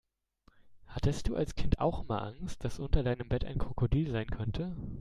Hattest du als Kind auch immer Angst, dass unter deinem Bett ein Krokodil sein könnte?